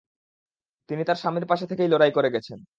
তিনি তার স্বামীর পাশে থেকে লড়াই করে গেছেন।